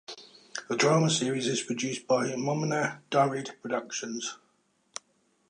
The drama series is produced by Momina Duraid Productions.